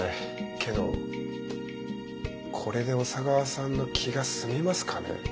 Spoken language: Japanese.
けどこれで小佐川さんの気が済みますかね。